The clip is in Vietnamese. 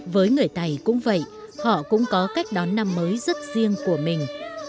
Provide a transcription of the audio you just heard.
với người tày cũng vậy họ cũng có cách đón năm mới rất riêng của mình